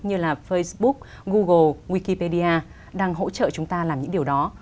như là facebook google wikipedia đang hỗ trợ chúng ta làm những điều đó